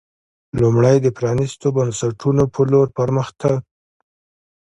لومړی د پرانېستو بنسټونو په لور پر مخ تګ